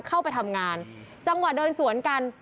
เข้าไปทำงานจังหวะเดินสวนกัน